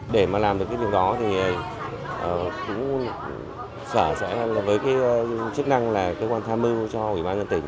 để mà làm được cái điều đó thì cũng sở sẻ với cái chức năng là cơ quan tham mưu cho ủy ban dân tỉnh